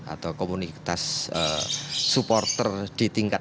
atau komunitas supporter di tingkat